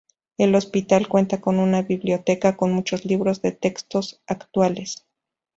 El hospital cuenta con una biblioteca con muchos libros de texto actuales.